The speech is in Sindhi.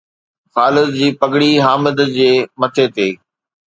خالد جي پگڙي حامد جي مٿي تي